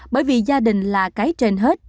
bởi vì gia đình là cái trên hết